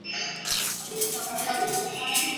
这可能是所有城市铁路系统中的最高数字。